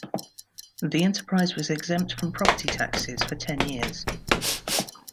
The enterprise was exempt from property taxes for ten years.